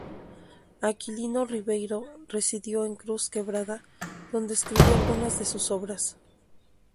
Aquilino Ribeiro residió en Cruz Quebrada, donde escribió algunas de sus obras.